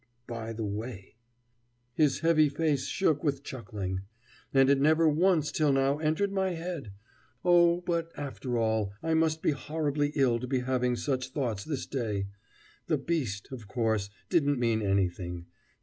"By the way:" his heavy face shook with chuckling. And it never once till now entered my head! Oh, but, after all, I must be horribly ill to be having such thoughts this day! The beast, of course, didn't mean anything.